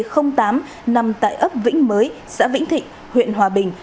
trong năm hai nghìn tám nằm tại ấp vĩnh mới xã vĩnh thịnh huyện hòa bình